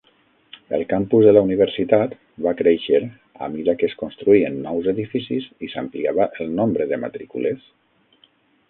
El campus de la universitat va créixer a mida que es construïen nous edificis i s"ampliava el nombre de matrícules.